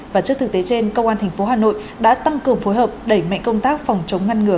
và trước thực tế trên cơ quan thành phố hà nội đã tăng cường phối hợp đẩy mạnh công tác phòng chống ngăn ngừa